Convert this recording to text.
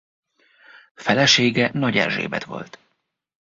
Felesége Nagy Erzsébet volt.